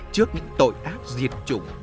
trước những tội ác diệt chủng